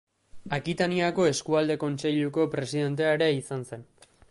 Akitaniako Eskualde Kontseiluko presidentea ere izan zen.